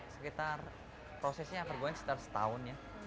sekitar prosesnya yang aku gunakan setahun ya